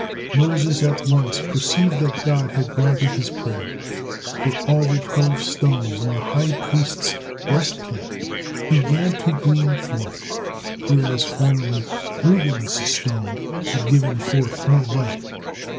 Moses at once perceived that God had granted his prayer, for all the twelve stones in the high priest's breastplate began to gleam forth, whereas formerly Reuben's stone had given forth no light.